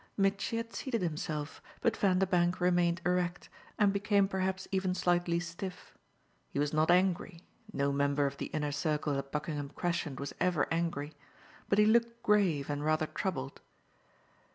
Mitchy had seated himself, but Vanderbank remained erect and became perhaps even slightly stiff. He was not angry no member of the inner circle at Buckingham Crescent was ever angry but he looked grave and rather troubled.